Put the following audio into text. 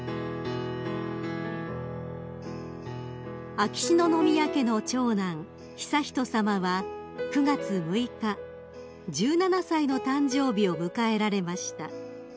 ［秋篠宮家の長男悠仁さまは９月６日１７歳の誕生日を迎えられました］